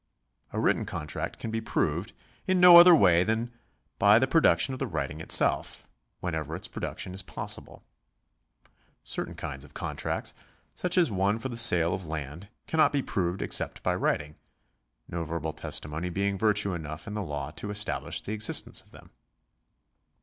A written contract can be proved in no other way than by the production of the writing itself, whenever its production is possible. Certain kinds of contracts, such as one for the sale of land, cannot be proved except by writing, no verbal testimony being of virtue enough in the law to establish the existence of them.